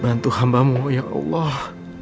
bantu hambamu ya allah